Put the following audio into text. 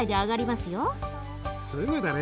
すぐだね。